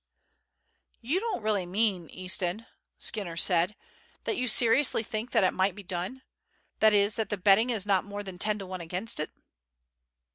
"You don't really mean, Easton," Skinner said, "that you seriously think that it might be done; that is, that the betting is not more than ten to one against it?"